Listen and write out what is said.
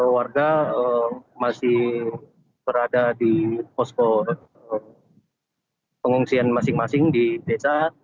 warga masih berada di posko pengungsian masing masing di desa